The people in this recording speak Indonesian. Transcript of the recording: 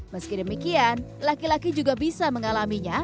meski demikian laki laki juga bisa mengalaminya